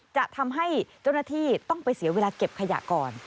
จะทำให้เจ้าหน้าที่ต้องไปเสียเวลาเก็บขยะก่อน